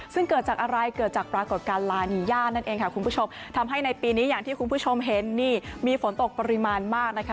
ซึ่งเกิดจากอะไรเกิดจากปรากฏการณ์ลานีย่านั่นเองค่ะคุณผู้ชมทำให้ในปีนี้อย่างที่คุณผู้ชมเห็นนี่มีฝนตกปริมาณมากนะคะ